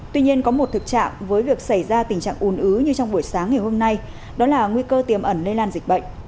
tuy nhiên có một thực trạng với việc xảy ra tình trạng ùn ứ như trong buổi sáng ngày hôm nay đó là nguy cơ tiềm ẩn lây lan dịch bệnh